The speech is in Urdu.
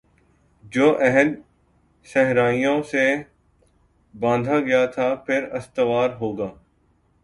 جو عہد صحرائیوں سے باندھا گیا تھا پر استوار ہوگا